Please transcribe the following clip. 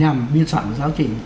nhằm biên soạn giáo trình